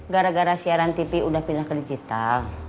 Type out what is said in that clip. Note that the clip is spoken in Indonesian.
gara gara siaran tv udah pindah ke digital